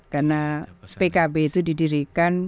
karena pkb itu didirikan